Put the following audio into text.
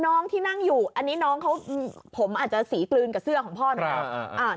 น้องที่นั่งอยู่อันนี้น้องเขาผมอาจจะสีกลืนกับเสื้อของพ่อนะครับ